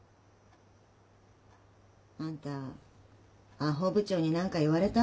あんたあほ部長に何か言われた？